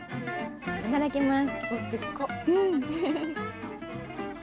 いただきます。